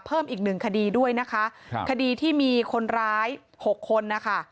เพิ่มอีกหนึ่งคดีด้วยนะคะครับคดีที่มีคนร้ายหกคนนะคะ